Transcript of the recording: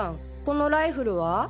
このライフルは？